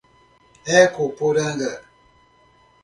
Ecoporanga